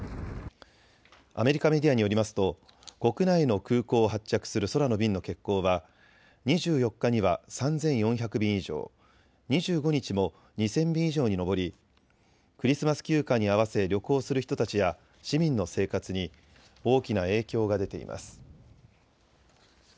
アメリカメディアによりますと国内の空港を発着する空の便の欠航は２４日には３４００便以上、２５日も２０００便以上に上りクリスマス休暇に合わせ旅行する人たちや市民の生活に大きな影響が出ています。